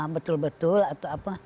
betul betul atau apa